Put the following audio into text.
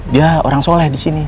dia orang sholat disini